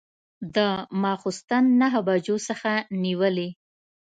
د ماخوستن نهه بجو څخه نیولې.